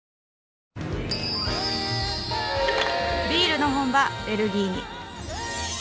ビールの本場ベルギーに。